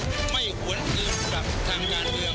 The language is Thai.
ผมไม่หวนอื่นกับทางงานเดียว